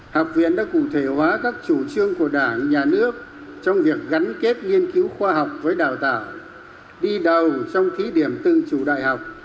học viện đã cụ thể hóa các chủ trương của đảng nhà nước trong việc gắn kết nghiên cứu khoa học với đào tạo đi đầu trong thí điểm tương chủ đại học